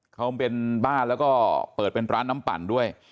เขาเป็นบ้านแล้วก็เปิดเป็นร้านน้ำปั่นด้วย